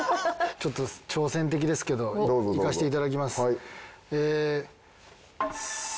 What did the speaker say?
ちょっと挑戦的ですけどいかせて頂きます。